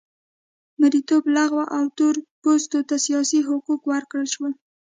مریتوب لغوه او تور پوستو ته سیاسي حقوق ورکړل شول.